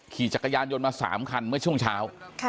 ขี่จักรยานยนต์มา๓คันเมื่อช่วงเช้า